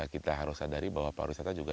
kita harus sadari bahwa para wisata juga